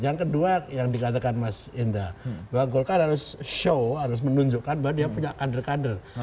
yang kedua yang dikatakan mas indra bahwa golkar harus show harus menunjukkan bahwa dia punya kader kader